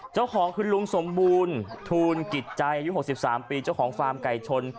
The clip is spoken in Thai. เจ้าของคือลุงสมบูรณ์ทูลกิจใจอายุ๖๓ปีเจ้าของฟาร์มไก่ชน